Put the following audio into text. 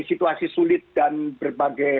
situasi sulit dan berbagai